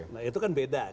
nah itu kan beda